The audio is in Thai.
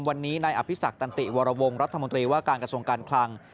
วันนี้นายอภิษักตันติวรวงรัฐมนตรีว่าการกระทรวงการคลัง